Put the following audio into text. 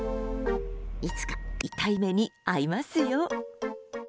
いつか、痛い目に遭いますよ。